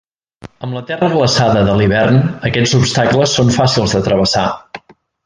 Amb la terra glaçada de l'hivern aquests obstacles són fàcils de travessar.